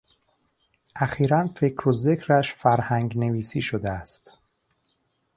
اخیرا فکر و ذکرش فرهنگ نویسی شده است.